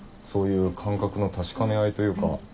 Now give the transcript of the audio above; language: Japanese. そういう感覚の確かめ合いというか。